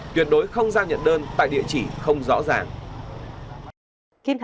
tuyệt đối không giao nhận đơn tại địa chỉ không rõ ràng